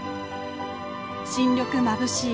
新緑まぶしい